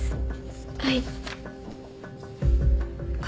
はい。